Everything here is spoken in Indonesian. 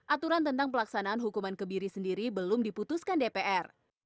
aturan tentang pelaksanaan hukuman kebiri sendiri belum diputuskan dpr